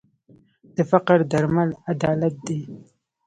د فقر درمل عدالت دی.